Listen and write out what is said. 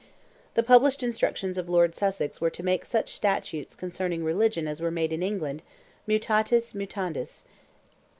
The published instructions of Lord Sussex were "to make such statutes (concerning religion) as were made in England, mutatis mutandis."